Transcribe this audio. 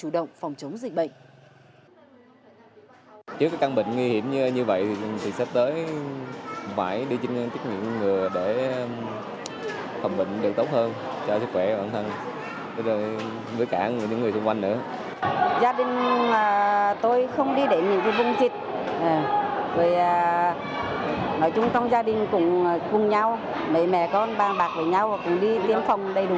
để chủ động phòng chống dịch bệnh